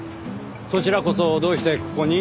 そちらこそどうしてここに？